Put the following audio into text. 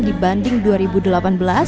dibandingkan tahun dua ribu delapan belas